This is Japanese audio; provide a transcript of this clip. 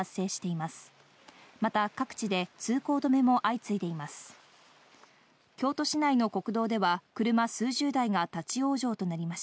また、各地で通行止めも相次いでいます。